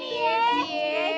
eh suka karma kamu